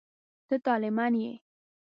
ته طالع من یې.